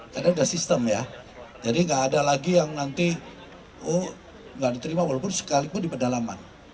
karena sudah sistem ya jadi nggak ada lagi yang nanti oh nggak diterima walaupun sekalipun di pedalaman